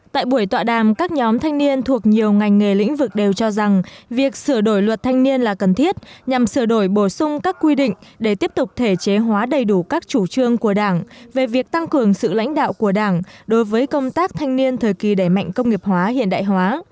tại buổi tọa đàm các nhóm thanh niên thuộc nhiều ngành nghề lĩnh vực đều cho rằng việc sửa đổi luật thanh niên là cần thiết nhằm sửa đổi bổ sung các quy định để tiếp tục thể chế hóa đầy đủ các chủ trương của đảng về việc tăng cường sự lãnh đạo của đảng đối với công tác thanh niên thời kỳ đẩy mạnh công nghiệp hóa hiện đại hóa